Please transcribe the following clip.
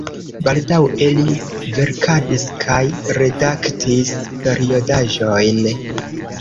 Baldaŭe li verkadis kaj redaktis periodaĵojn.